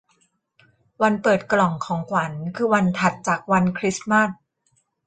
วันเปิดกล่องของขวัญคือวันถัดจากวันคริสต์มาส